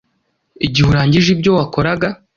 igihe urangije ibyo wakoraga,